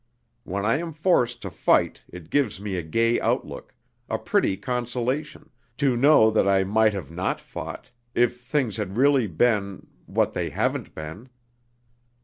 When I am forced to fight it gives me a gay outlook, a pretty consolation, to know that I might have not fought if things had really been ... what they haven't been!